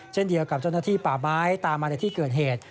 เช่นเดียวกับเจ้าหน้าที่ป่าไม้ตามมาในที่เกิดเหตุ